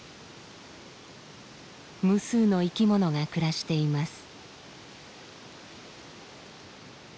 無数の生き物が暮らしています。